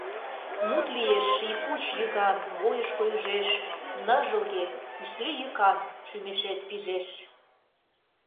Мут лиеш ший пуч йӱкан — Бойышко ӱжеш, Ныжылге кӱсле йӱкан — Шӱмешет пижеш.